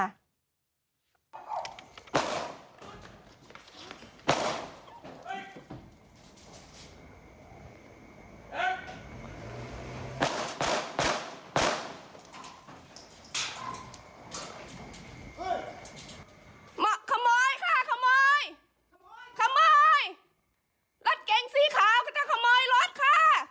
มาขโมยค่ะขโมยขโมยรถเก๋งสีขาวก็จะขโมยรถค่ะ